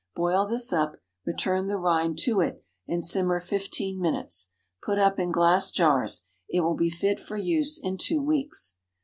Boil this up, return the rind to it, and simmer fifteen minutes. Put up in glass jars. It will be fit for use in two weeks.